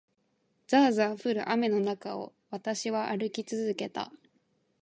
ざあざあ降る雨の中を、私は歩き続けた。